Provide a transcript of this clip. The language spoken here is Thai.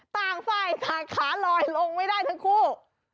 ต้างไส้ขาลอยลงไม่ได้ทั้งคู่